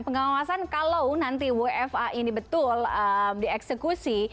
pengawasan kalau nanti wfa ini betul dieksekusi